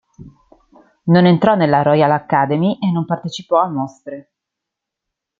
Non entrò nella Royal Academy e non partecipò a mostre.